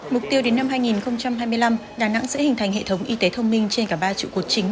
mục tiêu đến năm hai nghìn hai mươi năm đà nẵng sẽ hình thành hệ thống y tế thông minh trên cả ba trụ cột chính